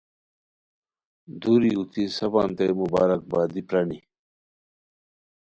دُوری اوتی سفانتے مبارکبادی پرانی